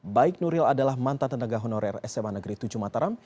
baik nuril adalah mantan tenaga honorer sma negeri tujuh mataram